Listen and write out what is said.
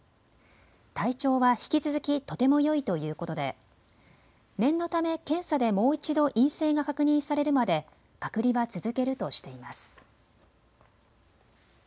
体調は引き続きとてもよいということで念のため検査でもう一度陰性が確認されるまで隔離は続けるとしています。